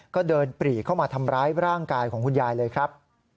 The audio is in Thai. ก็เดินปรีเข้ามาทำร้ายร่างกายของคุณยายเลยครับ